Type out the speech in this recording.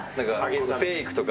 フェイクとか。